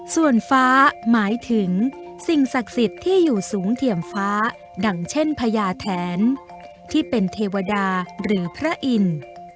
ส่วนฟ้าหมายถึงสิ่งศักดิ์สิทธิ์ที่อยู่สูงเทียมฟ้าดังเช่นพญาแทนที่เป็นเทวดาหรือพระอินทร์